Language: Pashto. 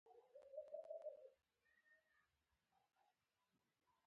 هوټل ډېر غټ او پراخه وو خو په عین حال کې خالي وو.